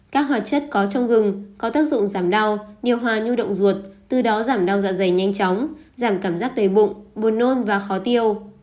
các hoạt chất có trong gừng có tác dụng giảm đau nhiều hoa nhôi động ruột từ đó giảm đau dạ dày nhanh chóng giảm cảm giác đầy bụng buồn nôn và khó tiêu